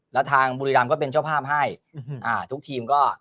แล้วทางบุรีรำก็เป็นเจ้าภาพให้ทุกทีมก็